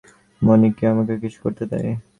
মণি কি আমাকে কিছু করতে দেয়।